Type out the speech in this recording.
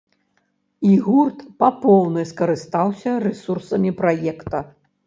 І гурт па поўнай скарыстаўся рэсурсамі праекта.